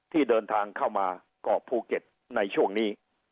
ที่เดินทางเข้ามาเกาะภูเก็ตในช่วงนี้